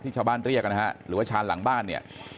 ชาวบ้านเรียกนะฮะหรือว่าชานหลังบ้านเนี่ย